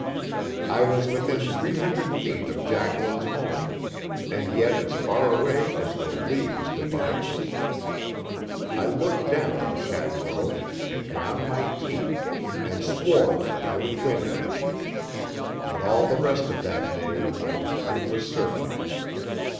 I was within three hundred feet of Jacqueline's home and yet as far away as though leagues divided us. I looked down at the château and ground my teeth and swore that I would win her. But all the rest of that day went in fruitless searching.